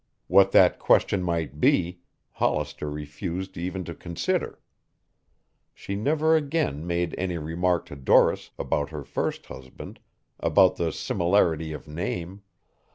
What that question might be, Hollister refused even to consider. She never again made any remark to Doris about her first husband, about the similarity of name.